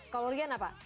kalau rian apa